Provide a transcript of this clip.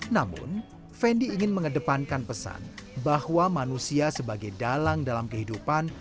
namun fendi ingin mengedepankan pesan bahwa manusia sebagai dalang dalam kehidupan